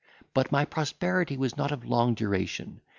But my prosperity was not of long duration.